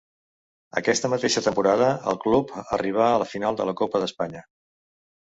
Aquesta mateixa temporada el club arribà a la final de la Copa d'Espanya.